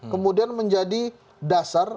kemudian menjadi dasar